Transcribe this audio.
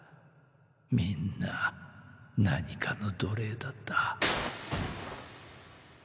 みんな何かの奴隷だった。